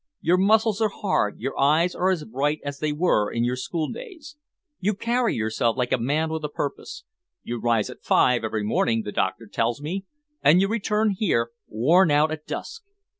Your muscles are hard, your eyes are as bright as they were in your school days. You carry yourself like a man with a purpose. You rise at five every morning, the doctor tells me, and you return here, worn out, at dusk.